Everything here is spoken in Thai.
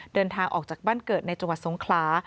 เดินทางออกจากบ้านเกิดในจังหวัดสงขลา